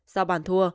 sau bàn thua